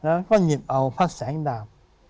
เพราะนั้นก็หยิบเอาพระแสงดาบ